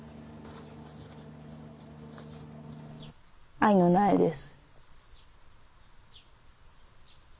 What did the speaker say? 藍の苗です。